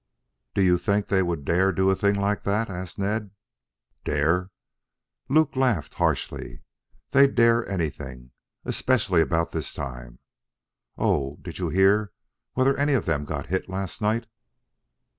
"Do you think they would dare do a thing like that?" asked Ned. "Dare?" Luke laughed harshly. "They'd dare anything, especially about this time. Oh, did you hear whether any of them got hit last night!"